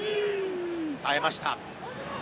耐えました。